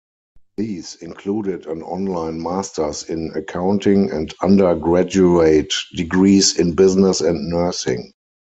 These included an online masters in accounting and undergraduate degrees in business and nursing.